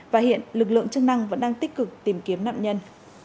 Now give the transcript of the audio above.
và hiện lực lượng chức năng vẫn đang tích cực tìm kiếm nạn nhân